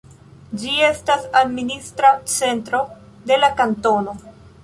Ĝi estas administra centro de la kantono.